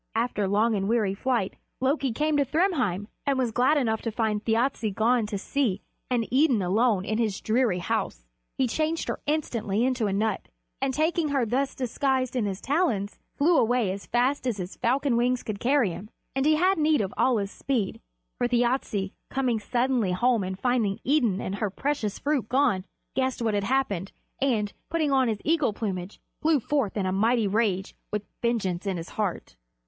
After long and weary flight Loki came to Thrymheim, and was glad enough to find Thjassa gone to sea and Idun alone in his dreary house. He changed her instantly into a nut, and taking her thus disguised in his talons, flew away as fast as his falcon wings could carry him. And he had need of all his speed, for Thjasse, coming suddenly home and finding Idun and her precious fruit gone, guessed what had happened, and, putting on his eagle plumage, flew forth in a mighty rage, with vengeance in his heart.